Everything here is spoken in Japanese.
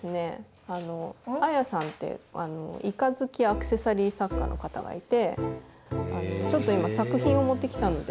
ＡＡＹＡＡさんってイカ好きアクセサリー作家の方がいてちょっと今作品を持ってきたので。